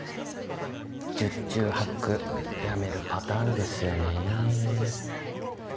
十中八九やめるパターンですよねぇ。